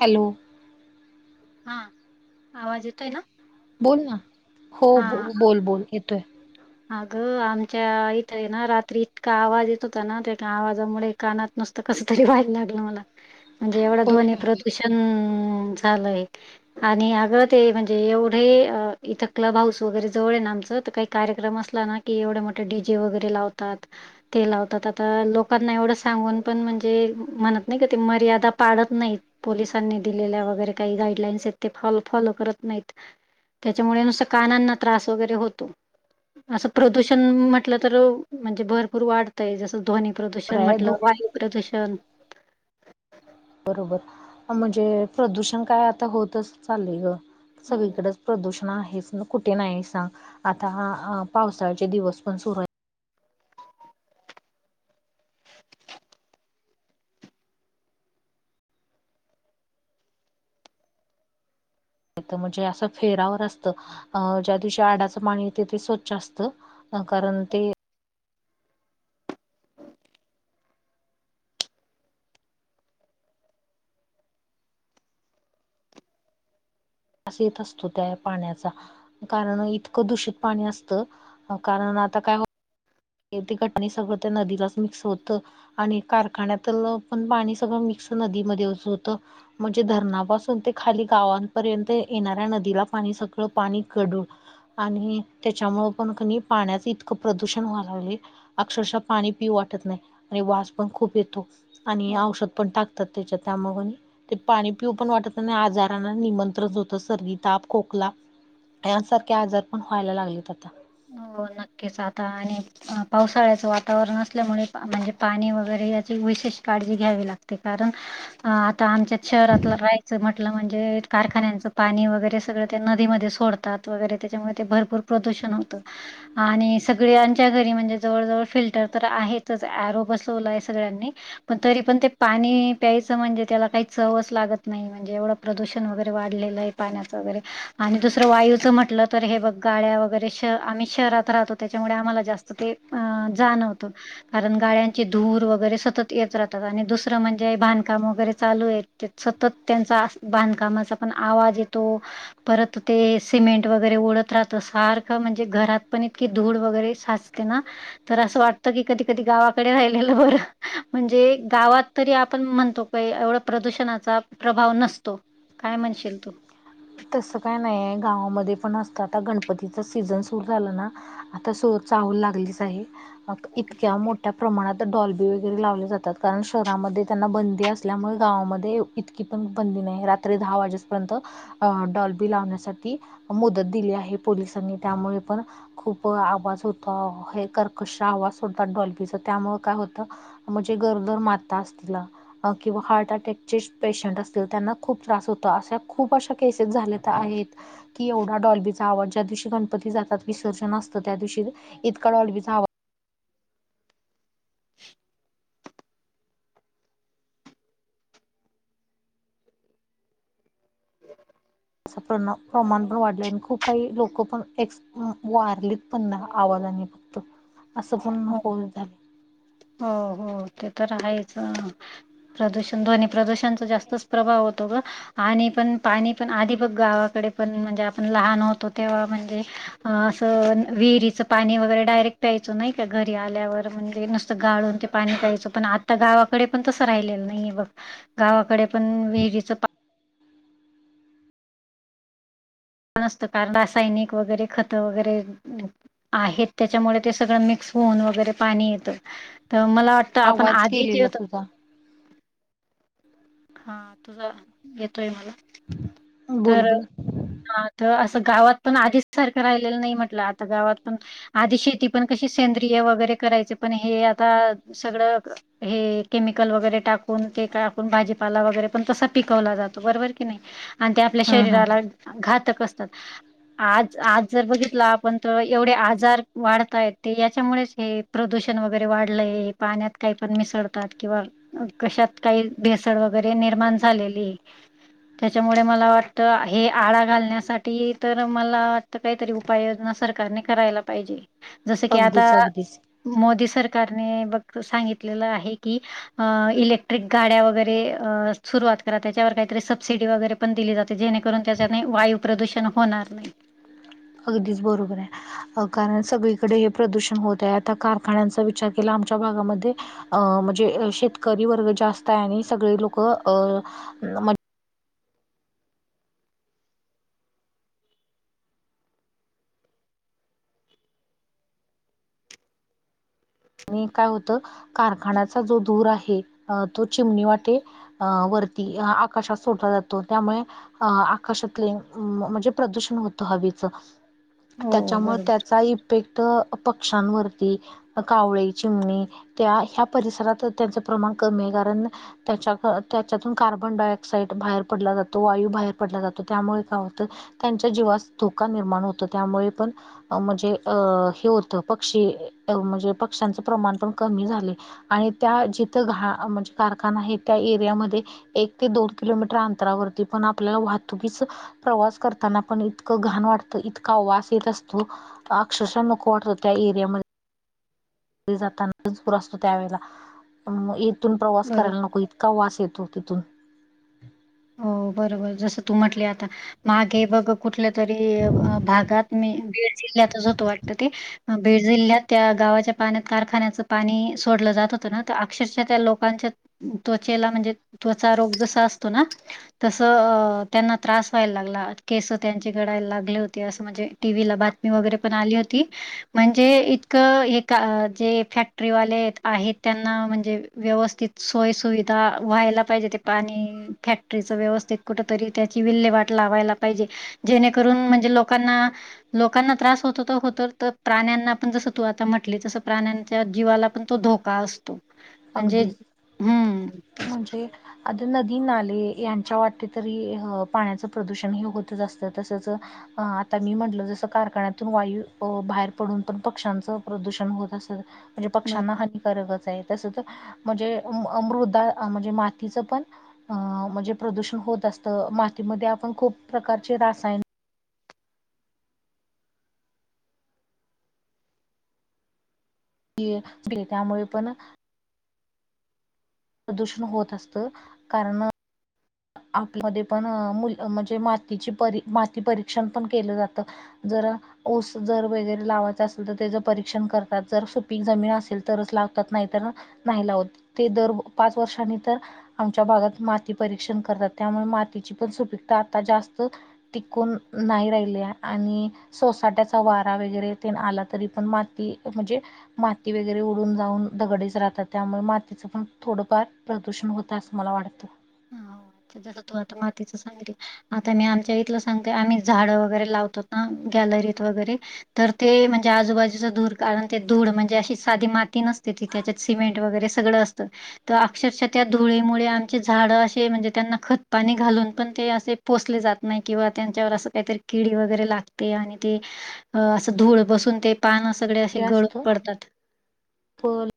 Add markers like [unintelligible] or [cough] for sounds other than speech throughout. Hello हा आवाज येतोय ना बोल ना हो हा ब बोल बोल येतोय. अगं आमच्या इथं ना रात्री इतका आवाज येत होता ना त्या आवाजामुळे कानात नुसतं कस तरी व्हायला लागलं मला ह म्हणजे एवढा ध्वनी प्रदूषण झालंय. आणि अग ते म्हणजे एवढे इथं क्लब हाऊस वगैरे जवळ आहे ना आमचं तर काही कार्य कार्यक्रम असला ना की एवढे मोठे डी जे वगैरे लावतात. ते लावतात आता लोकांना एवढं सांगून पण म्हणजे म्हणत नाही का ते मर्यादा पाडत नाहीत. पोलिसांनी दिलेल्या वगैरे काही गाईडलाईन्स आहेत ते फॉ फॉलो करत नाहीत. त्याच्यामुळे नुसं कानांना त्रास वगैरे होतो. असं प्रदूषण म्हटलं तर म्हणजे भरपूर वाढतंय जसं ध्वनी बरं प्रदूषण आहे म्हटलं दो वाई प्रदर्शन बरोबर म्हणजे प्रदूषण काय आता होतच चाले ग हो. सगळीकडेच प्रदूषण आहेच कुठे नाही सांग. आता पावसाळ्याचे दिवस पण सुर म्हणजे असं फेरावर असतं अ ज्या दिवशी आडाचं पाणी येत ते स्वच्छ असत. कारण ते त येत असतो त्या पाण्याचा कारण इतकं दूषित पाणी असतं कारण आता काय? ते घटणी सगळं त्या नदीलाच मिक्स होत. आणि कारखान्यात पण पाणी सगळं मिक्स नदीमध्ये होत. म्हणजे धरणापासून ते खाली गावांपर्यंत येणाऱ्या नदीला पाणी सगळं पाणी कडून आणि त्याच्यामुं पण कणी पाण्याचं इतकं प्रदूषण व्हा अक्षरशः पाणी पिऊ वाटत नाही आणि वास पण खूप येतो. आणि हो औषध पण टाकतात त्याच्या त्यामागून ते पाणी पिऊ पण वाटत आणि आजारना निमंत्रण होतं सर्ग ताप खोकला यांसारखे आजार पण व्हायला लागलेत आत हो नक्कीच आता आणि पावसाळ्याचं वातावरण असल्यामुळे म्हणजे पाणी वगैरे याची विशेष काळजी घ्यावी लागते. कारण आता आमच्या शहरातला राहायचं म्ह म्हणजे कारखान्याच पाणी वगैरे सगळं ते नदीमध्ये सोडतात वगैरे त्याच्यामुळे ते भरपूर प्रदर्शण आणि सगळ्यांच्या घरी म्हणजे जवळ जवळ फिल्टर तर आहेच अरो बसवला आहे सगळ्यांनी पण तरी पण ते पाणी प्यायचं म्हणजे त्याला काही चवच लागत नाही म्हणजे एवढं प्रदूषण वगैरे वाढलेलं आहे. पाण्याचा वगैरे आणि दुसर वायुच म्हटलं तर हे बघ गाड्या वगैरे आम्ही शहरात राहतो त्याच्यामुळे आम्हाला जास्त ते जाणवत. कारण गाड्यांची धूर वगैरे सतत येत राहतात आणि दुसरं म्हणजे बांधकाम वगैरे चालू आहे. सतत त्यांचा, बांधकामाचा पण आवाज येतो,, परत ते सिमेंट वगैरे ओढत राहत सारखं म्हणजे घरात पण इतकी धूळ वगैरे साचते ना,, तर असं वाटतं की कधी, कधी गावाकडे राहिलेलं बरं,,, म्हणजे गावातऽ तरी आपण म्हणतो काही, एवढा प्रदूषणाचा प्रभाव नसतो,, काय म्हणशील तू? तसं काय नाही आहे,, गावामध्ये पण असतं आता, गणपतीच सीझन सुरू झालं नाऽ आता सो चाहूल लागलीच आहे,, मग इतक्या मोठऽ मोठ्या प्रमाणात डॉलबी वगैरे लावले जातात,, कारण शहरामध्ये त्यांना बंदी असल्यामुळे,, गावामध्येऽ इतकी पण बंदी नाही,, रात्री दहा वाजेपर्यंतऽ अ डॉलबी लावण्यासाठी मुदत दिली आहे,, पोलिसांनी त्यामुळे पण खूप आवाज होत,, हे कर्कश आवाज सोडतात डॉल्फीचा,, त्यामुळ काय होत म्हणजे गरोदर माता असल, तिलाऽ किंवा हार्ट अटॅकचे पेशंट असतील,, त्यांना खूप त्रास होतो,, अशा खूप अशाऽ केसेस झाले आहेत. कि एवढा डॉलबीचा आवाज ज्या दिवशी गणपती जातात, विसर्जन असतं, त्या दिवशी इतका डॉलबीचा आवज असं प्रमाण पण वाढले आणि खूप काही लोक पण एक्स अ वारलीत पण ना आवाजाने फक्त असं पण हो झाले. हो, हो ते तर आहेच. प्रदूषण, ध्वनी प्रदूषणचा, जास्तच प्रभाव होतो ग. आणि पण पाणी पण आधी बघ गावाकडे पण म्हणजे आपण लहान होतो तेव्हा म्हणजे असं विहीरीचं पाणी वगैरे डायरेक्ट प्यायचो नाही का, घरी आल्यावर म्हणजे न गाळून ते पाणी प्यायचं,, पण आता गावाकडे पण तसं राहिलेलं नाहीे बघ. गावाकडे पण विहिरीचऽ पण असत कारण रासायनिक वगैरे खत वगैरे आहेत, त्याच्यामुळे ते सगळं मिक्स होऊन वगैरे पाणी येतं. तर मला वाटतं आपण आवाज आधी जे केलेला होत तुझा हा,, तुझा येतोय मला बोल तर बोल हा तर असं गावात पण आधीच सारखं राहिलेलं नाही म्हटलं,, आता गावात पण आधी शेती पण कशी सेंद्रिय वगैरे करायचे, पण हे आता सगळंऽ हे केमिकल वगैरे टाकून,, ते टाकून भाजीऽ ला वगैरे पण तसा पिकवला जातो,, बरोबर की नाही,, आणि ते आपल्या हम्म हम्म शरीराला घातक असतात. आज, आज जर बघितलं आपण तर एवढे आजार वाढताय, ते याच्यामुळेच हे प्रदूषण वगैरे वाढलंय, पाण्यात काही पण मिसळतात, किंवा कशात काही भेस भेसळ वगैरे निर्माण झालेली. त्याच्यामुळे मला वाटतं,, हे आळा घालण्यासाठी तर मला तर काहीतरी उपाययोजना सरकारने करायला पाहिजे,, जसं की आता अगदीच अगदीच मोदी सरकारने बघ सांगितलेलं आहे की,, इलेक्ट्रिक गाड्या वगैरे रवात करा त्यावर काही सबसिटि वगैरे पण दिली जाते,, जे त्या वा प्रदूषण होणार नाही. अगदीच बरोबर आहे. अ कारण सगळीकडे हे प्रदूषण होत आहे आता,, कारखान्यांचा विचार केला आमच्या भागामध्येऽ अ म्हणजे शेतकरी वर्ग जास्त आहे, आणि सगळे लोक अऽ आणि काय होत कारखान्याचा जो धूर आहे तो, चिमणी वाटे अ, वरती आकाशात सोडला जातो,, त्यामुळे अ आकाशातले, म्हणजे प्रदूषण होत हवेचं. हो त्याच्यामुळे बरोबर त्याचा इफेक्ट पक्ष्यांवरती, कावळे,, चिमणी,, त्या ह्या परिसरात त्यांचं प्रमाण कमी आहे,, कारण त्याच्या, त्याच्यातून कार्बन डाय ऑक्साइड बाहेर पडला जातो, वायू बाहेर पडला जातो, त्यामुळे काय होतं त्यांच्या जीवास धोका निर्माण होतो त्यामुळे पण म्हणजे अ हे होतं पक्षी म्हणजे पक्ष्यांचं प्रमाण पण कमी झाले. आणि त्या जिथं घ म्हणजे कारखाना आहे त्या एरियामध्ये एक ते दोन किलोमीटर अंतरावरती पण आपल्याला वाहतुकीच प्रवास करताना पण इतकं घाण वाटतं इतका वास येत असतो. अक्षरशः नको वाटतं त्या एरियामध्ये जातर असतो त्यावेला मग इथून प्रवास बरोबर. करायला नको. इतका वास येतो तिथून हो बरोबर जसं तू म्हटले आता मागे बघ कुठल्या तरी भागात मी बीड जिल्ह्यातच होतो वाटत ते बीड जिल्ह्यात त्या गावाच्या पाण्यात कारखान्याच पाणी सोडलं जात होतं ना तर अक्षरशः त्या लोकांच्या त्वचेला म्हणजे त्वचा रोग जसा असतो ना, तसं त्यांना त्रास व्हायला लागला केस त्यांची गळायला लागली म्हणजे असं. टी व्ही ला बातमी वगैरे पण आली होती. म्हणजे इतकं हे जे फॅक्टरीवाले आहेत त्यांना म्हणजे व्यवस्थित सोय सुविधा व्हायला पाहिजे ते पाणी फॅक् व्यवस्थित कुठ तरी त्याची विल्हेवाट लावायला पाहिजे,,, जेणेकरून म्हणजे लोकांनाऽ लोकांना त्रास होतो तर होत,, तर प्राण्यांना पण जसं तू आता म्हटली तसं प्राण्यांच्या जीवालाऽ पण तो धोका असतो,, म्हणजेऽ अगदीच म्हणजे आता नदी नाले यांच्या वाटे तरी पाण्याचं प्रदूषण हे होतच असतं, तसच अ आता मी म्हटलं जसं, कारखान्यातून वायू बाहेर पडून पण पक्ष्यांचं प्रदूषण होत असत,, म्हणजे बरं. पक्ष्यांना हानिकारकच आहे, तस तर म्हणजे, मृदा म्हणजे मातीचं पण अ म्हणजे प्रदूषण होत असत मातीमध्ये आपण खूप प्रकारचे रासायन ते त्यामुळे पण प्रदूषण होत असत कारण आपल्या म पण मुल म्हणजे मातीची प माती परीक्षण पण केलं जातं. जरा. ऊस जर वगैरे लावायच असेल तर त्याचं परीक्षण करतात जर सुपीक जमीन असेल तरच लावतात नाही तर, नाही लावत ते दर पाच वर्षांनी तर आमच्या भागात माती परीक्षण करतात त्यामुळे मातीची पण सुपीकता आता जास्त टिकून नाही राहिली आणि सोसाट्याचा वारा वगैरे ते आला तरी पण माती म्हणजे माती वगैरे उडून जाऊन दगडेच राहतात त्यामुळे मातीचं पण थोडंफार प्रदूषण होतं असं मला वाटतं. जस तू आता मातीचं सांगितल आता मी आमच्या इथलं सांगतेय आम्ही झाडं वगैरे लावतो ना गॅलरीत वगैरे तर ते म्हणजे आजूबाजूचं धूर कारण ते दूळ म्हणजे अशी साधी माती नसते तिथ त्याच्यात सिमेंट वगरे सगळं असत अक्षरशः त्या धुळीमुळे आमची झाडं असे म्हणजे त्यांना खतपाणी घालून पण ते असे पोसले जात नाही किंवा त्यांच्यावर असं काहीतरी किडी वगैरे लागते आणि ते असं धूळ बसून ते पान सगळे असे गळून पडतात. होल.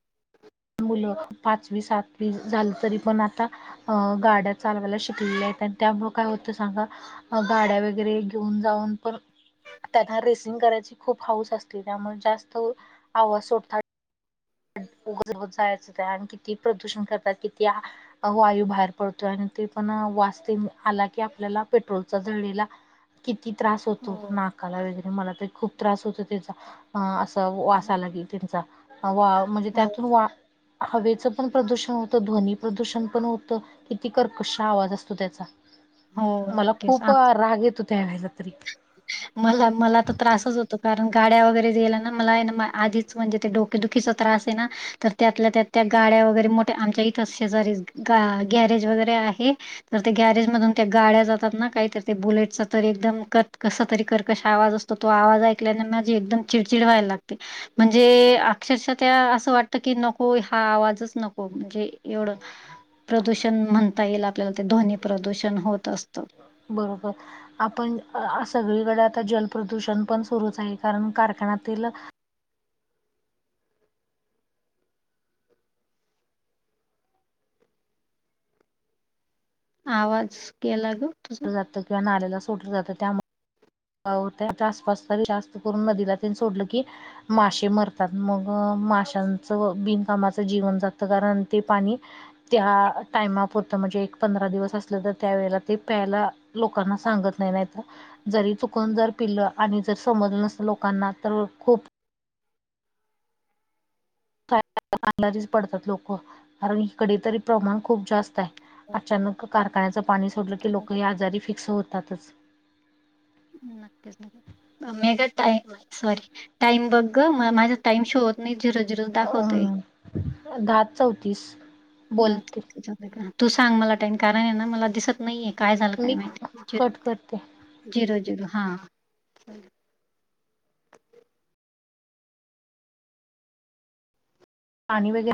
मुलं पाचवी सातवी झालं तरी पण आता अ गाड्या चालवायला शिकलेल्या आहेत आणि त्यामु ळ काय होतं सांगा. अ गाड्या वगैरे घेऊन जाऊन पण त्यांना रेसिंग करायची खूप हाऊस असते त्यामुळे जास्त आवाज सोडतात. उ जायचं आणि किती प्रदूषण करतात किती वायू बाहेर पडतोय आणि ते पण वाजतील आला की पेट्रोलचा जळलेला किती त्रास होतो हो नाकाला वगैरे मला तर खूप त्रास होतो त्याचा ह असं वास हो आला की त्यांचा वा म्हणजे हो त्यातून वा हवेचं पण प्रदूषण होतं ध्वनी प्रदूषण पण होतं. किती कर कशा आवाज असतो त्याचा हो, मला नक्कीच खूप राग येतो त्या वला तरी ह मला मला तर त्रासच होतो कारण गाड्या वगैरे दयला ना मला आधीच म्हणजे ते डोक ते दुखीचा त्रास आहे ना तर त्यातल्या त्यात त्या गाड्या वगैरे मोठ्या आमच्या इथच शेजारी लॉन्ग रीडिंग झालेल्या असेल विमान प्रवासी बसण्याचे तयार आहेत. त्या गाड्या जातात ना काहीत बुलेट तर एकदम क कसा तरी करकश आवाज असत. तर तो आवाज ऐकल्याने माझी एकदम चिडचिड व्हायला लागते. म्हणजे अक्षरश त्या असं वाटतं की नको हा आवाजच नको म्हणजे एवढं. प्रदूषण म्हणता येईल आपल्याला ते ध्वनी प्रदूषण होत असतं. बरोबर. आपण सगळीकडे आता जलप्रदूषण पण सुरूच आहे कारण कारखान्यातील आवाज गेला ग. तुझा जात किंवाल्याला सटलं जात त्या होतसपास तरी जास्त करून नदीलाात सोडलं की. मासे मरतात मग माशांचं बिनकामाचं जीवन जात कारण ते पाणी त्या टाइमापरतं म्हणजे एक पंधरा दिवस असलं तर त्यावेेळेला ते प्यायला. लोकांना सांगत नाही नाही जरी त ण जर पिल्लं आणि जर समजलं नसतं लोकांना तर खूप [unintelligible] पडतात लोक इकडे तर प्रमाण खूप जास्त आहे. अचानक कारखान्याचं पाणी सोडलं की लोकही आजारी फिक्स होतातच. नक्कीच नकी मे टा सॉरी टाइम बघ माझ्या टाईम शोवत नाही झिरोज झिरज अ दाखवतय. दहा चौतीस. बोलते. तू सांग मला टाइम कारण आहे ना मला दिसत नाहीये. काय झालं काय मी माहितीरो कट करते झिरो झिरो हा. [inaudible] पाणी वगैर.